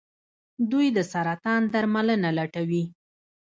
دوی د سرطان درملنه لټوي.